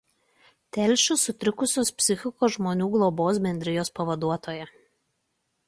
Telšių sutrikusios psichikos žmonių globos bendrijos pavaduotoja.